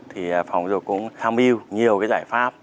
thì phòng dục cũng tham yêu nhiều giải pháp